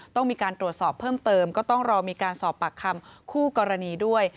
ต้องมีการตรวจสอบเพิ่มเติมก็ต้องรอมีการสอบปากคำคู่กรณีด้วย